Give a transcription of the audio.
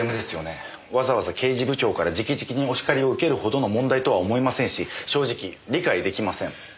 わざわざ刑事部長から直々にお叱りを受けるほどの問題とは思えませんし正直理解できません。